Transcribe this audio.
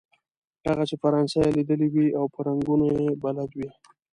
هغه چې فرانسه یې ليدلې وي او په رنګونو يې بلد وي.